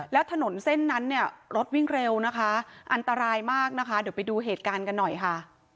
แล้วถนนเส้นนั้นเนี่ยรถวิ่งเร็วนะคะอันตรายมากนะคะเดี๋ยวไปดูเหตุการณ์กันหน่อยค่ะ